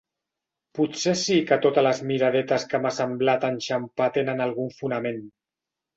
Potser sí que totes les miradetes que m'ha semblat enxampar tenen algun fonament.